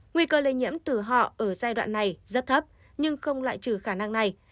nguy cơ lây nhiễm từ họ ở giai đoạn này rất thấp nhưng không lại trừ khả năng này